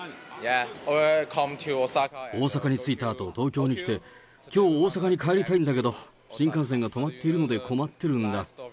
大阪に着いたあと東京に来て、きょう、大阪に帰りたいんだけど、新幹線が止まっているので困ってるんだ。